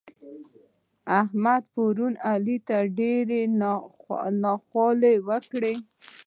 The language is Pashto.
احمد پرون علي ته ډېرې ناخوالې وکړې.